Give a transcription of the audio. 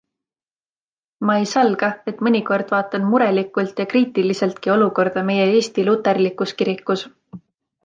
Ma ei salga, et mõnikord vaatan murelikult ja kriitiliseltki olukorda meie Eesti luterlikus kirikus.